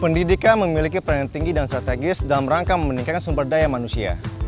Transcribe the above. pendidikan memiliki peran yang tinggi dan strategis dalam rangka meningkatkan sumber daya manusia